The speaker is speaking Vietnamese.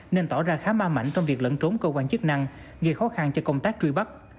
nên tỏ ra khá ma mạnh trong việc lẫn trốn cơ quan chức năng gây khó khăn cho công tác truy bắt